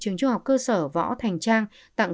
trường trung học cơ sở võ thành trang tặng